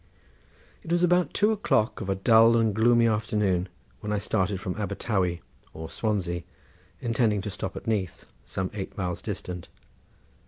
It was about two o'clock of a dull and gloomy afternoon when I started from Abertawy or Swansea, intending to stop at Neath, some eight miles distant.